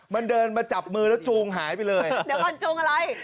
มันเดินมาจับมือแล้วจูงหายไปเลยเดี๋ยวก่อนจูงอะไร